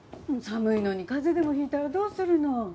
寒いのに風邪でも引いたらどうするの？